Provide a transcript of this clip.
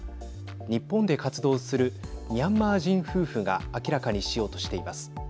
日本で活動するミャンマー人夫婦が明らかにしようとしています。